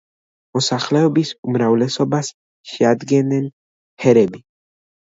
მოსახლეობის უმრავლესობას შეადგენენ ჰერები.